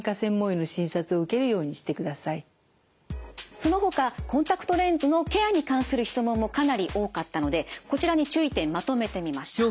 そのほかコンタクトレンズのケアに関する質問もかなり多かったのでこちらに注意点まとめてみました。